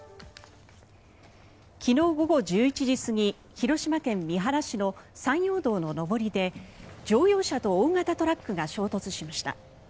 昨日午後１１時過ぎ広島県三原市の山陽道の上りで乗用車と大型トラックが衝突しました。